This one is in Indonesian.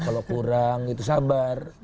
kalau kurang itu sabar